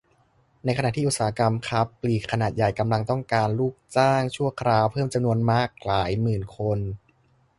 ในขณะที่อุตสาหกรรมค้าปลีกขนาดใหญ่ กำลังต้องการลูกจ้างชั่วคราวเพิ่มจำนวนมากหลายหมื่นคน